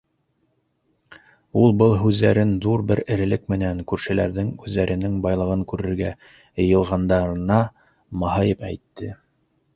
— Ул был һүҙҙәрен ҙур бер эрелек менән күршеләрҙең үҙҙәренең байлығын күрергә йыйылғандарына маһайып әйтте.